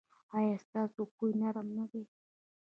ایا ستاسو خوی نرم نه دی؟